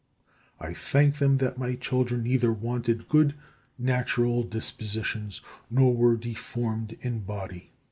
I thank them that my children neither wanted good natural dispositions nor were deformed in body.